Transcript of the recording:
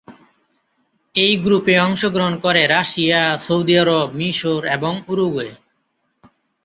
এই গ্রুপে অংশগ্রহণ করে রাশিয়া, সৌদি আরব, মিশর এবং উরুগুয়ে।